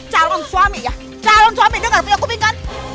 tidak ada apa apa